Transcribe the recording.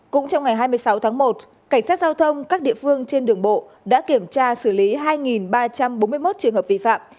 cũng trong ngày hai mươi sáu tháng một cảnh sát giao thông các địa phương trên đường bộ đã kiểm tra xử lý hai ba trăm bốn mươi một trường hợp vi phạm